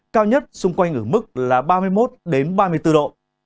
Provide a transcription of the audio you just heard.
cao nhất xung quanh ở mức là ba mươi một ba mươi bốn độ